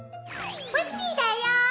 プッチーだよ。